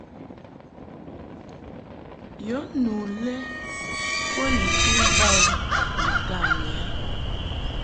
Yɔ nu lɛ bo ni mfuŋ ba i ni tanyi a.